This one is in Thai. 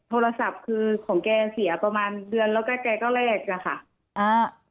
โทรศัพท์คือของแกเสียประมาณเดือนแล้วก็แกก็แรกอะค่ะอ่า